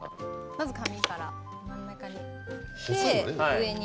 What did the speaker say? まず紙から真ん中にで上に。